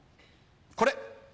これ！